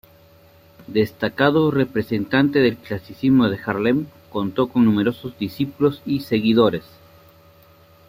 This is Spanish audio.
Destacado representante del clasicismo de Haarlem, contó con numerosos discípulos y seguidores.